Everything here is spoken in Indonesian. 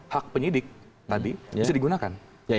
hak penyidik tadi bisa digunakan